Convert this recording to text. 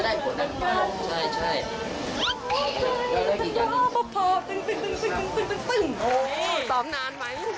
โอ้โหต้องนานไหม